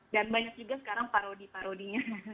dan banyak juga sekarang parodi parodinya